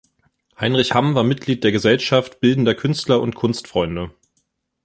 Heinrich Hamm war Mitglied der Gesellschaft Bildender Künstler und Kunstfreunde.